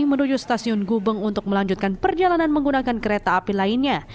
menuju stasiun gubeng untuk melanjutkan perjalanan menggunakan kereta api lainnya